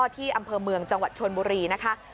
ที่อำเภอเมืองจังหวัดชนบุรีนะคะ